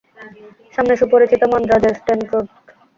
সামনে সুপরিচিত মান্দ্রাজের Strand road.